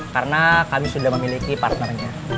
karena kami sudah memiliki partnernya